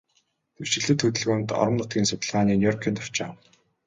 Дэвшилтэт хөдөлгөөнд, орон нутгийн судалгааны Нью-Йоркийн товчоо